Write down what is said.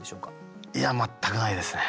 いや全くないですね。